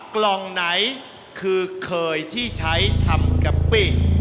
กล่องไหนคือเคยที่ใช้ทำกะปิ้ง